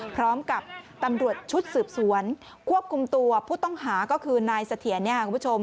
พร้อมกับตำรวจชุดสืบสวนควบคุมตัวผู้ต้องหาก็คือนายเสถียรเนี่ยคุณผู้ชม